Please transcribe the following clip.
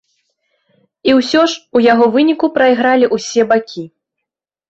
І ўсё ж у яго выніку прайгралі ўсе бакі.